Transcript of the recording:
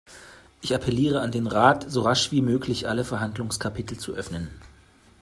Ich appelliere an den Rat, so rasch wie möglich alle Verhandlungskapitel zu öffnen.